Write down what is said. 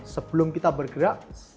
sebelum kita bergerak